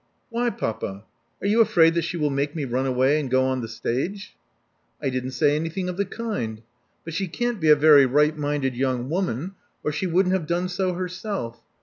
Why, papa? Are you afraid that she will make me run away and go on the stage?" I didn't say anything of the kind. But she can't be a very right minded young woman, or she 73 74 Love Among the Artists wouldn't have done so herself.